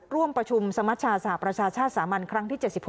ร่วมประชุมสัมมจารย์สหภาชาชาสมันครั้งที่๗๖